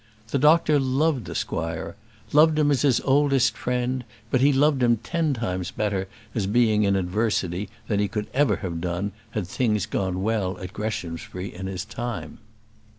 The doctor loved the squire, loved him as his own oldest friend; but he loved him ten times better as being in adversity than he could ever have done had things gone well at Greshamsbury in his time.